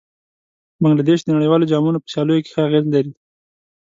بنګله دېش د نړیوالو جامونو په سیالیو کې ښه اغېز لري.